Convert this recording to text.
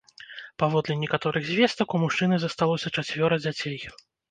Паводле некаторых звестак, у мужчыны засталося чацвёра дзяцей.